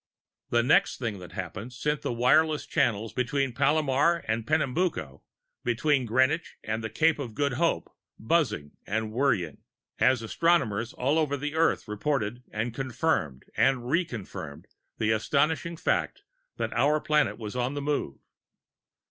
The next thing that happened set the wireless channels between Palomar and Pernambuco, between Greenwich and the Cape of Good Hope, buzzing and worrying, as astronomers all over the Earth reported and confirmed and reconfirmed the astonishing fact that our planet was on the move.